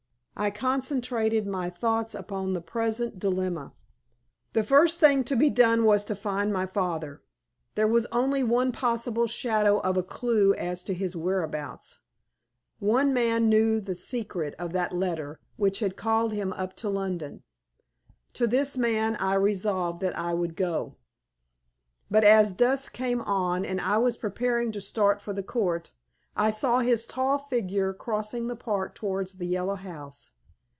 I concentrated my thoughts upon the present dilemma. The first thing to be done was to find my father. There was only one possible shadow of a clue as to his whereabouts. One man knew the secret of that letter which had called him up to London. To this man I resolved that I would go. But as dusk came on, and I was preparing to start for the Court, I saw his tall figure crossing the park towards the Yellow House.